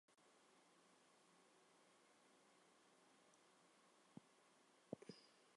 Ikiwa haitofautiani pia na nyanya lililotumbuka vibaya vibaya (Masalo)